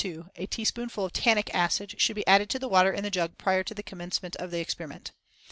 A teaspoonful of tannic acid should be added to the water in the jug prior to the commencement of the experiment.